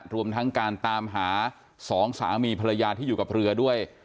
รวมทั้งการตามหาสองสามีภรรยาที่อยู่กับเรือด้วย